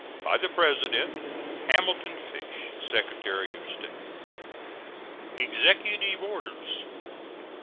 By the President: HAMILTON FISH, Secretary of State. EXECUTIVE ORDERS.